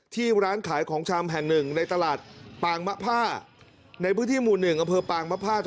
ที่ร้านขายของชำแห่นหนึ่งในตลาดปางมะพ่า